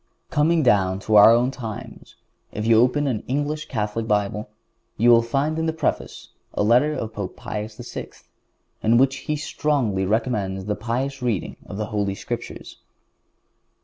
Coming down to our own times, if you open an English Catholic Bible you will find in the preface a letter of Pope Pius VI., in which he strongly recommends the pious reading of the Holy Scriptures.